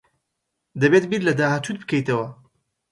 دەبێت بیر لە داهاتووت بکەیتەوە.